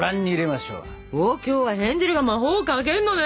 今日はヘンゼルが魔法をかけるのね。